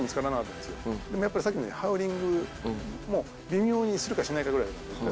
でもやっぱりさっきみたいにハウリングも微妙にするかしないかぐらいだったんですね。